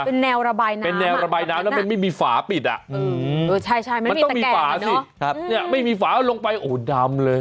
เป็นแนวระบายน้ำเป็นแนวระบายน้ำแล้วมันไม่มีฝาปิดอ่ะมันต้องมีฝาสิเนี่ยไม่มีฝาลงไปโอ้โหดำเลย